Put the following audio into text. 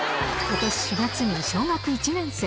ことし４月に小学１年生。